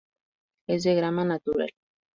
Es de grama natural.